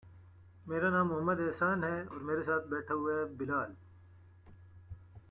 He sent the boy on a short errand.